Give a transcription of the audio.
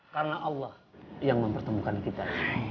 karena allah yang mempertemukan kita